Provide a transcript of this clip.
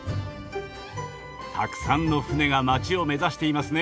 たくさんの船が街を目指していますね。